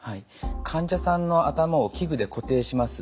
患者さんの頭を器具で固定します。